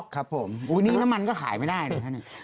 ครับผมอุ๊ยนี่น้ำมันก็ขายไม่ได้เลยครับนี่